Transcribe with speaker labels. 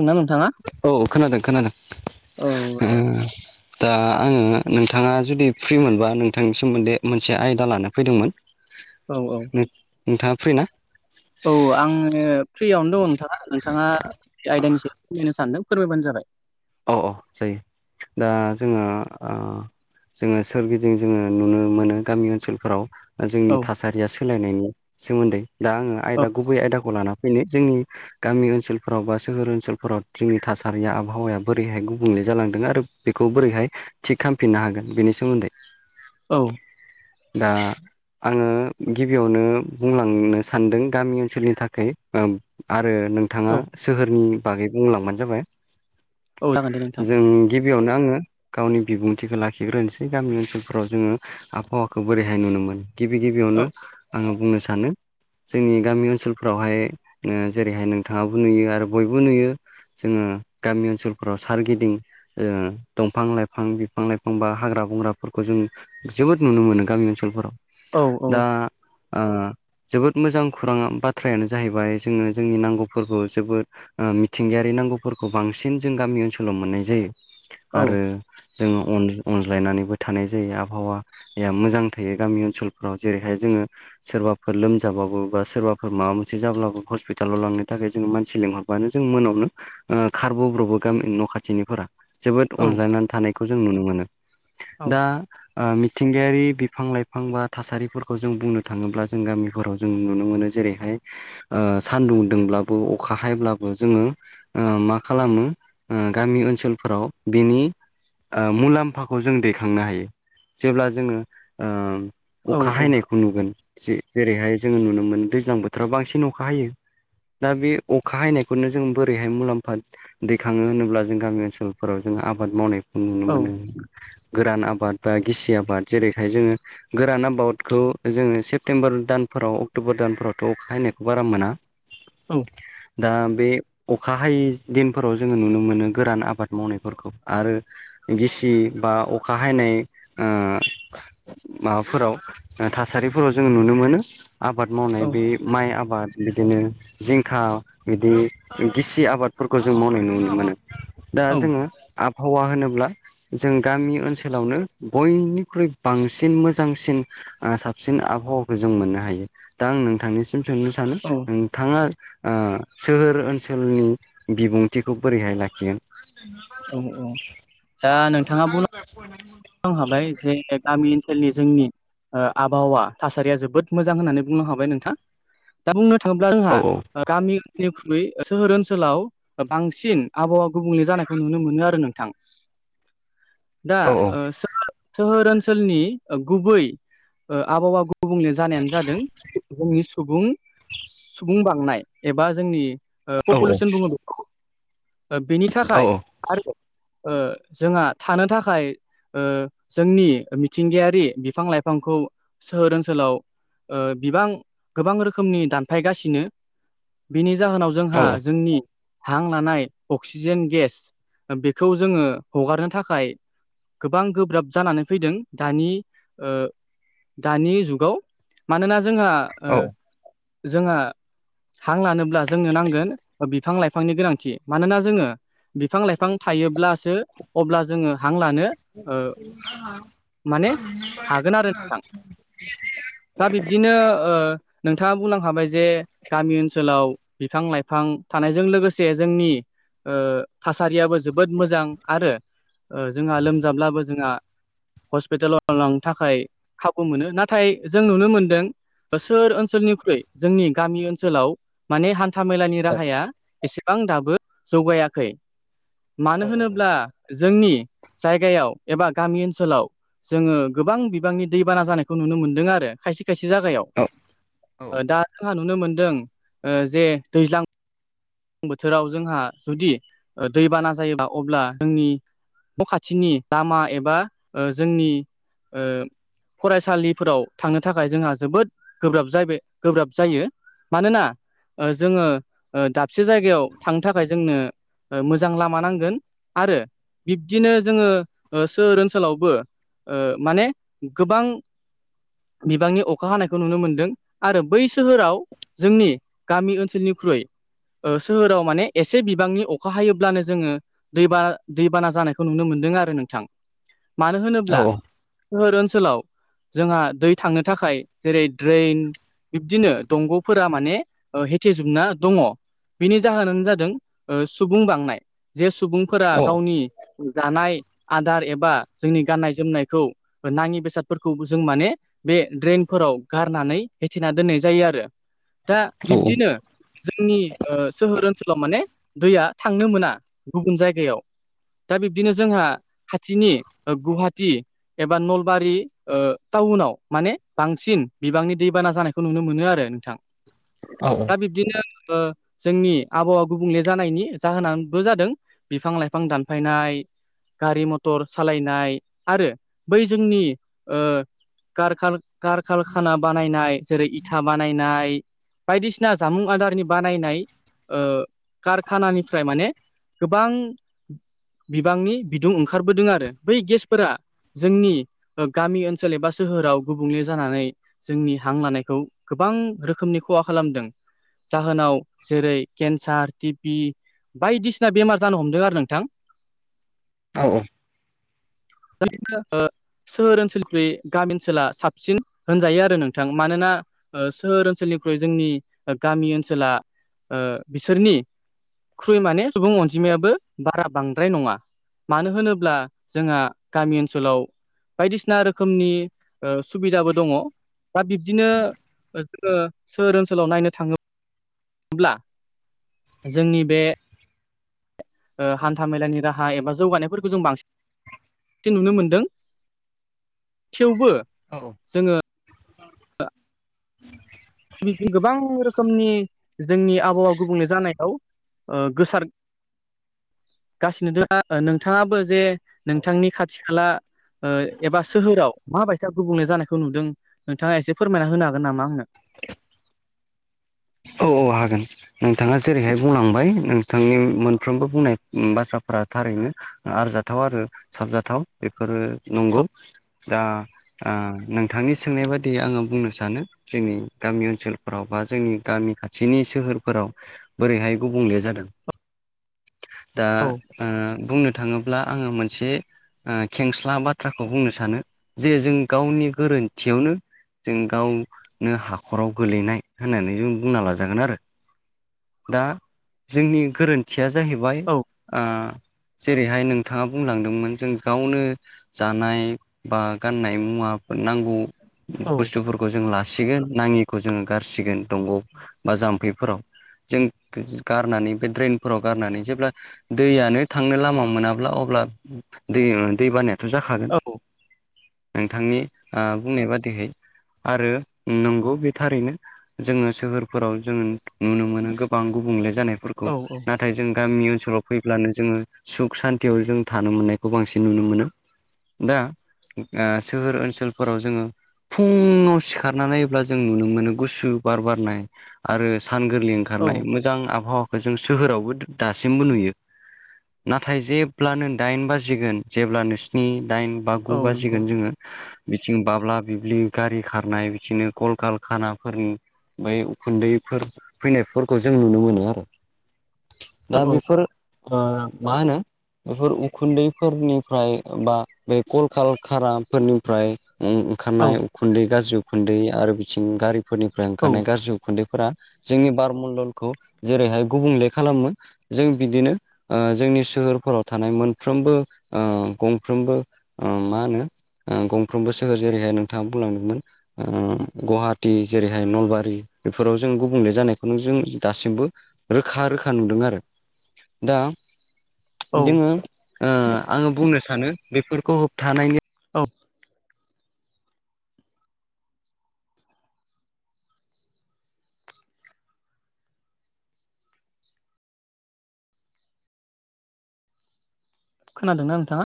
Speaker 1: दोंना नोंथाङा?
Speaker 2: औ खोनादों खोनादों
Speaker 1: औ
Speaker 2: दा आङो नोंथाङा जुदि फ्रि मोनबा नोंथांनि सोमोन्दै मोनसे आयदा लानो फैदोंमोन [unintelligible]
Speaker 1: औ औ
Speaker 2: नों नोंथाङा फ्रि ना
Speaker 1: औ आङो फ्रियावनो दङ नोंथाङा नोंथाङा आयदानि सायाव फोरमायनो सानदों फोरमायबानो जाबाय
Speaker 2: औ औ जायो दा जोङो ओ जोंङो सोरगिदिं जोंङो नुनो मोनो गामि ओनसोलफोराव जोंनि
Speaker 1: औ
Speaker 2: थासारिया सोलायनायनि सोमोन्दै दा आंङो
Speaker 1: औ
Speaker 2: आयदा गुबै आयदाखौ लाना बेनो जोंनि गामि ओनसोलफोराव बा सोहोर ओनसोलफोराव जोंनि थासारिया आबहावाया बोरैहाय गुबुंले जालांदों आरो बेखौ बोरैहाय थिग खालामफिननो हागोन बेनि सोमोन्दै
Speaker 1: औ
Speaker 2: दा आनङो गिबियावनो बुंलांनो सानदों गामि ओनसोलनि थाखाय आरो नोंथांङा
Speaker 1: औ
Speaker 2: सोहोरनि बागै बुंलांबानो जाबाय
Speaker 1: औ नोंथां
Speaker 2: जों गिबियावनो आनङो गावनि बिबुंथिखौ लाखिग्रोनोसै गामि ओनसोलफोराव जोंङो आबहावाखौ बोरैहाय नुनो मोनो गिबि
Speaker 1: औ
Speaker 2: गिबियावनो आंङो बुंनो सानो जोंनि गामि ओनसोलफोरावहाय जेरैहाय नोंथांङाबो नुयो आरो बयबो नुयो। जोंङो गामि ओनसोलफोराव सारगिदिं ओ दंफां लाइफां बिफां लाइफां बा हाग्रा बंग्राफोरखौ जों जोबोद नुनो मोनो गामि ओनसोलफोराव
Speaker 1: औ औ
Speaker 2: दा ओ जोबोद मोजां खौरां बाथ्रायानो जाहैबाय जोंङो जोंनि नांगौफोरखौ जोबोद ओ मिथिंगायारि नांगौफोरखौ बांसिन जों गामि ओनसोलाव मोननाय जायो
Speaker 1: औ
Speaker 2: आरो जोंङो अनज्लायनानैबो थानाय जायो आबहावा मोजां थायो गामि ओनसोलफोराव जेरैहाय जोंङो सोरबाफोर लोमजाबाबो बा सोरबाफोर माबा मोनसे जाब्लाबो हस्पिटालाव लांनो थाखाय जोंङो मानसि लिंहर जों मोनावनो ओ खारबोब्र'बो गामि न' खाथिनिफोरा जोबोद
Speaker 1: औ
Speaker 2: अनज्लायनानै थानायखौ जों नुनो मोनो
Speaker 1: औ
Speaker 2: दा ओ मिथिंगायारि बिफां लाइफां बा थासारिफोरखौ जों बुंनो थांङोब्ला जों गामिफोराव जों नुनो मोनो जेरैहाय ओ सान्दुं दोंब्लाबो अखा हायब्लाबो जोंङो मा खालामो गामि ओनसोलफोराव बिनि ओ मुलाम्फाखौ जों दैखांनो हायो जेब्ला जोंङो ओ
Speaker 1: औ
Speaker 2: अखा हायनायखौ नुगोन जेरैहाय जोंङो नुनो मोनो दैज्लां बोथोराव बांसिन अखा हायो दा बे अखा हायनायखौनो जों बोरैहाय मुलाम्फा दै खाङो होनोब्ला जों गामि ओनसोलफोराव जोङो आबाद मावनायखौ नुनो
Speaker 1: औ
Speaker 2: मोनो गोरान आबाद बा गिसि आबाद जेरैहाय जोंङो गोरान आबादखौ जोंङो सेप्तेम्बर दानफोराव अक्ट'बर दानफोरावथ' अखा हैनायखौ बारा मोना
Speaker 1: औ।
Speaker 2: दा बे अखा हायै दिन फोराव जोंङो नुनो मोनो गोरान आबाद मावनायफोरखौ आरो गिसि बा अखा हायनाय ओ माबाफोराव थासारिफोराव जोंङो नुनो मोनो आबाद मावनाय बे माइ आबाद बिदिनो जिंखा बिदि गिसि आबादफोरखौ जों मावनाय नुनो मोनो दा
Speaker 1: औ
Speaker 2: जोंङो आबहावा होनोब्ला जों गामि ओनसोलावनो बयनिख्रुइ बांसिन मोजांसिन साबसिन आबहावाखौ जों मोननो हायो दा आं नोंथांनिसिम सोंनो सानो नोंथांङा ओ सोहोर ओनसोलनि बिबुंथिखौ बोरैहाय लाखियो [unintelligible]
Speaker 1: आं हाबाय जे गामि ओनसोलनि जोंनि ओ आबहावा थासारिया जोबोद मोजां होननानै बुंनो हाबाय नोंथां। दा बुंनो थांङोब्ला जोंहा
Speaker 2: औ
Speaker 1: गामिनिख्रुइ सोहोर ओनसोलाव बांसिन आबहावा गुबुंले जानायखौ नुनो मोनो आरो नोंथां दा
Speaker 2: औ
Speaker 1: ओ सोहोर ओनसोलनि गुबै आबहावा गुबुंले जानायानो जादों जोंनि सुबुं सुबुं बांनाय एबा जोंनि
Speaker 2: औ
Speaker 1: पपुलोसन बुङो बे बेनि
Speaker 2: औ
Speaker 1: थाखाय आरो। जोंहा थानो थाखाय जोंनि मिथिंगायारि बिफां लाइफांखौ सोहोर ओनसोलाव बिबां गोबां रोखोमनि दानफायगासिनो बेनि जाहोनाव
Speaker 2: औ
Speaker 1: जोंहा जोंनि हां लानाय अक्सिजेन गेस बेखौ जोङो हगारनो थाखाय गोबां गोब्राब जानानै फैदों दानि ओ दानि जुगाव मानोना जोंहा
Speaker 2: औ
Speaker 1: जोंहा हां लानोब्ला जोंनो नांगोन बिफां लाइफांनि गोनांथि मानोना जोङो बिफां लाइफां थायोब्लासो अब्ला जोङो हां लानो ओ माने हागोन आरो नोंथां
Speaker 2: [unintelligible]
Speaker 1: दा बिब्दिनो ओ नोंथाङा बुंलांखाबाय जे गामि ओनसोलाव बिफां लाइफां थानायजों लोगोसे जोंनि ओ थासारियाबो जोबोद मोजां आरो जोंहा लोमजाब्लाबो जोंहा हस्पिटालाव लांनो थाखाय खाबु मोनो नाथाय जों नुनो मोनदों ओसोर ओनसोलनिख्रुइ जोंनि गामि ओनसोलाव माने हान्था मेलानि राहाया एसेबां दाबो जौगायाखै। मानो होनोब्ला जोंनि जायगायाव एबा गामि ओनसोलाव जोङो गोबां बिबांनि दैबाना जानायखौ नुनो मोनदों आरो। खायसे खायसे जागायाव
Speaker 2: औ
Speaker 1: दा जोंहा नुनो मोनदों ओ जे दैज्लां बोथोराव जोंहा जुदि दैबाना जायोबा अब्ला जोंनि न' खाथिनि लामा एबा ओ जोंनि ओ फरायसालिफोराव थांनो थाखाय जोंहा जोबोद गोब्राब जाबे गोब्राब जायो। मानोना ओ जोङो ओ दाब से जायगायाव थांनो थाखाय जोंनो मोजां लामा नांगोन आरो बिब्दिनो जोङो ओ सोहोर ओनसोलावबो ओ माने गोबां बिबांनि अखा हानायखौ नुनो मोनदों आरो बै सोहोराव जोंनि गामि ओनसोलनिख्रुइ सोहोराव माने एसे बिबांनि अखा हायोब्लानो जोङो दैबाना दैबाना जानायखौ नुनो मोनदों आरो नोंथां मानो होनोब्ला सोहोर ओनसोलाव जोंहा दै थांनो थाखाय जेरै ड्रेन बिब्दिनो दंग'फोरा माने हेथेजोबना दङ'। बिनि जाहोनानो जादों सुबुं बांनाय जे सुबुंफोरा गावनि दानाय आदार एबा जोंनि गाननाय जोमनायखौ नाङि बेसादफोरखौ जों माने बे ड्रेनफोराव गारनानै होथेना दोननाय जायो आरो। दा बिब्दिनो जोंनि ओ सोहोर ओनसोलाव माने दैया थांनो मोना गुबुन जायगायाव दा बिब्दिनो जोंहा खाथिनि गुवाहाटि एबा नलबारि ओ टाउनाव माने बांसिन बिबांनि दैबाना जानायखौ नुनो मोनो आरो नोंथां।
Speaker 2: औ औ।
Speaker 1: दा बिब्दिनो ओ जोंनि आबहावा गुबुंले जानायनि जाहोनाबो जादों बिफां लाइफां दानफायनाय गारि मथर सालायनाय आरो बै जोंनि ओ कारकाल कारकाल खाना बानायनाय जेरै इथा बानायनाय। बायदिसिना जामुं आदारनि बानायनाय ओ कारखानानिफ्राय माने गोबां बिबांनि बिदुं ओंखारबोदों आरो बै गेसफोरा जोंनि ओ गामि ओनसोल एबा सोहोराव गुबुंले जानानै जोंनि हां लानायखौ गोबां रोखोमनि खहा खालामदों जाहोनाव जेरै केन्सार टिपि बायदिसिना बेमार जानो हमदों आरो नोंथां।
Speaker 2: औ औ।
Speaker 1: [unintelligible] सोहोर ओनसोलनिख्रुइ गामि ओनसोला साबसिन होनजायो आरो नोंथां मानोना ओ सोहोर ओनसोलनिख्रुइ जोंनि ओ गामि ओनसोला ओ बिसोरनि ख्रुइ माने सुबुं अनजिमायाबो बारा बांद्राय नङा। मानो होनोब्ला जोंहा गामि ओनसोलाव बायदिसिना रोखोमनि ओ सुबिदाबो दङ'। दा बिब्दिनो ओ जोङो सोहोर ओनसोलाव नायनो थाङो ब्ला जोंनि बे ओ हान्था मेलानि राहा एबा जौगानायफोरखौ जों बांसिन नुनो मोनदों। थेवबो
Speaker 2: औ
Speaker 1: जोङो [unintelligible] गोबां रोखोमनि जोंनि आबहावा गुबुंले जानाय आव ओ गोसार -गासिनो दोङो आरो नोंथाङाबो जे नोंथांनि खाथि खाला ओ एबा सोहोराव माबायसा गुबुंले जानायखौ नुदों नोंथाङा एसे फोरमायना होनो हागोन नामा आंनो?
Speaker 2: औ औ हागोन। नोंथाङा जेरैहाय बुंलांबाय नोंथांनि मोनफ्रोमबो बुंनाय उ बाथ्राफोरा थारैनो आरजाथाव आरो साबजाथाव बेफोरो नंगौ।
Speaker 1: औ
Speaker 2: दा ओ नोंथांनि सोंनाय बादियै आङो बुंनो सानो। जोंनि गामि ओनसोलफोराव बा जोंनि गामि खाथिनि सोहोरफोराव बोरैहाय गुबुंले जादों दा ओ बुंनो थाङोब्ला आङो मोनसे ओ खेंस्ला बाथ्राखौ बुंनो सानो जे जों गावनि गोरोन्थियावनो जों गावनो हाखराव गोलैनाय होननानै जों बुंना लाजागोन आरो दा जोंनि गोरोन -थिया जाहैबाय
Speaker 1: औ
Speaker 2: ओ जेरैहाय नोंथाङा बुंलांदोंमोन जों गावनो जानाय बा गाननाय मुवाफोर नांगौ।
Speaker 1: औ
Speaker 2: बुस्थुफोरखौ जों लासिगोन नाङिखौ जोङो गारसिगोन दंग'आव बा जाम्फैफोराव। जों गारनानै बे ड्रेनफोराव गारनानै जेब्ला दैयानो थांनो लामा मोनाब्ला अब्ला दैया दै बानाया थ' जाखागोन
Speaker 1: औ
Speaker 2: नोंथांनि ओ बुंनाय बादिहै। आरो नंगौ बे थारैनो जोङो सोहोर -फोराव जोङो नुनो मोनो गोबां गुबुंले जानायफोरखौ
Speaker 1: औ
Speaker 2: नाथ -थाय जों गामि ओनसोलाव फैब्लानो जोङो सुख सान्थियाव जों थानो मोननायखौ बांसिन नुनो मोनो। दा ओ सोहोर ओनसोलफोराव जोङो फुङाव सिखारनानै नायोब्ला जों नुनो मोनो गुसु बार बारनाय। आरो सान गोरलै
Speaker 1: औ
Speaker 2: ओंखारनाय मोजां आबहावाखौ जों सोहोरावबो दासिमबो नुयो। नाथाय जेब्लानो दाइन बाजिगोन जेब्लानो स्नि, दाइन बा गु
Speaker 1: औ नंगौ
Speaker 2: बाजिगोन जोङो बिथिं बाब्ला बिब्लि गारि खारनाय बिदिनो कल कारखानाफोरनि बै उखुन्दैफोर फैनायफोरखौ जों नुनो मोनो आरो।
Speaker 1: औ
Speaker 2: दा
Speaker 1: औ
Speaker 2: बेफोर ओ मा होनो बेफोर उखुन्दैफोरनिफ्राय बा बे कलकार खाराफोरनिफ्राय उम
Speaker 1: औ
Speaker 2: ओंखारनाय उखुन्दै गाज्रि उखुन्दै आरो बिथिंगारिफोरनिफ्राय
Speaker 1: औ
Speaker 2: ओंखारनाय गाज्रि खुन्दैफोरा जोंनि बारमण्डलखौ जेरैहाय गुबुंले खालामो। जों बिदिनो ओ जोंनि सोहोरफोराव थानाय मोनफ्रोमबो ओ गंफ्रोमबो ओ मा होनो ओ गंफ्रोमबो सोहोर जेरैहाय नोंथाङा बुंलांदोंमोन गुवाहाटी जेरैहाय नलबारि बेफोराव जों गुबुंले जानायखौनो जों दासिमबो रोखा रोखा नुदों आरो। दा
Speaker 1: औ
Speaker 2: जोङो ओ आङो बुंनो सानो बेफोरखौ होबथानायनि
Speaker 1: औ। खोनादों ना नोंथाङा?